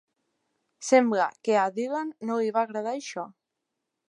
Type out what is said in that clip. Sembla que a Dylan no li va agradar això.